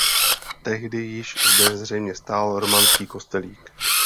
Tehdy již zde zřejmě stál románský kostelík.